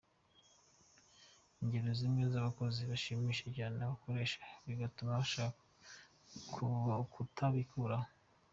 Ingero zimwe z’abakozi bashimisha cyane abakoresha bigatuma bashaka kutabikuraho:.